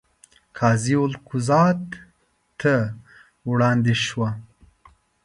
قاضي قضات ته وړاندې شوه.